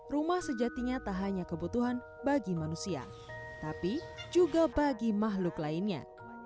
rumah sejatinya tak hanya kebutuhan bagi manusia tapi juga bagi makhluk lainnya